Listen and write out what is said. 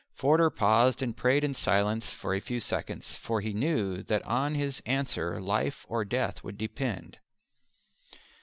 Forder paused and prayed in silence for a few seconds, for he knew that on his answer life or death would depend.